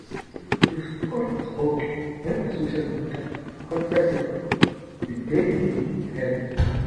The story was broken when a social worker contacted the "Daily Mail" for help.